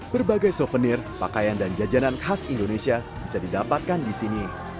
berbagai souvenir pakaian dan jajanan khas indonesia bisa didapatkan di sini